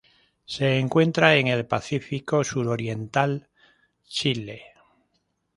Se encuentra en el Pacífico suroriental: Chile.